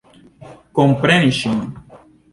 Kompreni ŝin.